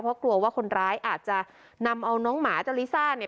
เพราะกลัวว่าคนร้ายอาจจะนำเอาน้องหมาเจ้าลิซ่าเนี่ย